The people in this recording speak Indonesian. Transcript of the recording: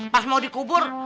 pas mau dikubur